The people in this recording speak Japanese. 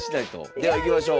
ではいきましょう。